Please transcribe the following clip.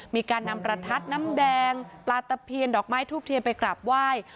มีการนำประทัดน้ำแดงปลาตะเพียนดอกไม้ทูบเทียนไปกราบไหว้